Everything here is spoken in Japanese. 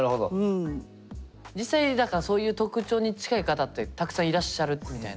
実際だからそういう特徴に近い方ってたくさんいらっしゃるみたいな。